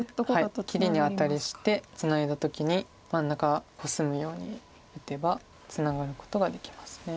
切りにアタリしてツナいだ時に真ん中コスむように打てばツナがることができます。